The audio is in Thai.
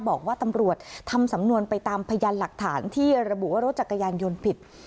บอกว่าตำรวจทำสำนวนไปตามพยานหลักฐานที่ระบุว่ารถจักรยานยนต์ผิด